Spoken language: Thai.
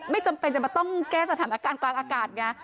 ไม่จำเป็นจะมาต้องแก้สถานการณ์กลางอากาศไง